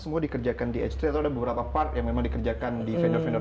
semua dikerjakan di h tiga atau ada beberapa part yang memang dikerjakan di vendor vendor